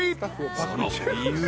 ［その理由が］